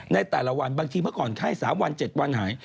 ในแต่ละวันบางทีเมื่อก่อนไข้๓วัน๗วันหาย